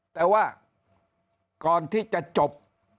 แต่ว่าก่อนที่จะจบ